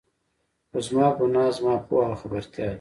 خو زما ګناه، زما پوهه او خبرتيا ده.